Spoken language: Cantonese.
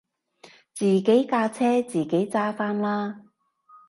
自己架車自己揸返啦